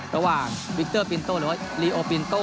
ระหว่างวิกเตอร์ปินโต้หรือว่าลีโอปินโต้